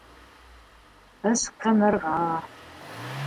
Ысҡынырға.